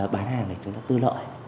bán hàng để chúng ta tư lợi